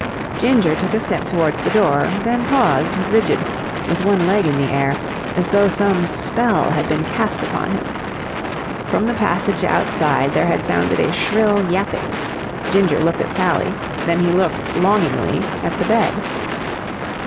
Ginger took a step towards the door, then paused, rigid, with one leg in the air, as though some spell had been cast upon him. From the passage outside there had sounded a shrill yapping. Ginger looked at Sally. Then he looked longingly at the bed.